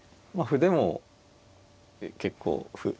まあ歩でも結構。